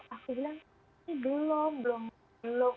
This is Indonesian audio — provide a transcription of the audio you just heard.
aku bilang ini belum belum